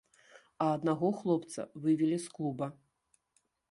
А аднаго хлопца вывелі з клуба.